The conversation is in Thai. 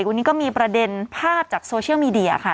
วันนี้ก็มีประเด็นภาพจากโซเชียลมีเดียค่ะ